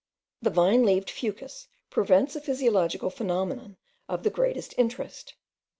The vine leaved fucus presents a physiological phenomenon of the greatest interest.